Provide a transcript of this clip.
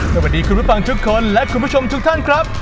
สวัสดีคุณผู้ฟังทุกคนและคุณผู้ชมทุกท่านครับ